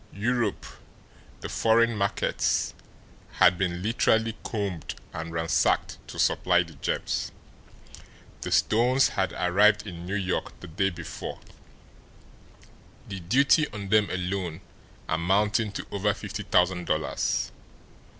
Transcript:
Europe, the foreign markets, had been literally combed and ransacked to supply the gems. The stones had arrived in New York the day before, the duty on them alone amounting to over fifty thousand dollars.